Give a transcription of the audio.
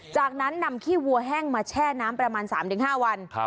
จากนั้นนำขี้วัวแห้งมาแช่น้ำประมาณ๓๕วัน